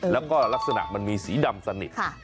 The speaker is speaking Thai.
แล้วก็ลักษณะมันมีสีดำสนิท